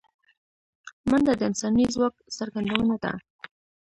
منډه د انساني ځواک څرګندونه ده